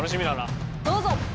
どうぞ！